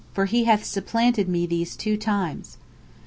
for he hath supplanted me these two times."